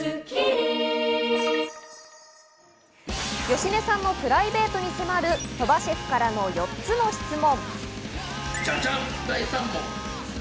芳根さんのプライベートに迫る鳥羽シェフからの４つの質問。